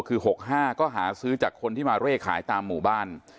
คือ๖๕ก็หาซื้อจากคนที่มาเร่ขายตามหมู่บ้าน